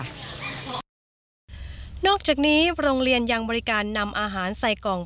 นอกจากนี้โรงเรียนยังบริการนำอาหารใส่กล่อง